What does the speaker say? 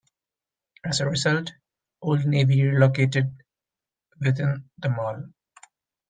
As a result, Old Navy relocated within the mall.